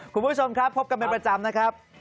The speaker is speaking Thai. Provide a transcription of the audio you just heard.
คุณผู้ชมครับพบกันเป็นประจำนะครับ